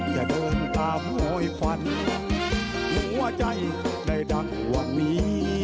อย่าโดนตามโหยฟันหัวใจใดดังวันนี้